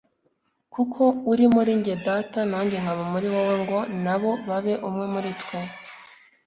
nk'uko uri muri njye Data, nanjye nkaba muri wowe, ngo na bo babe umwe muri twe